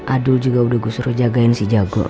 aduh juga udah gue suruh jagain si jago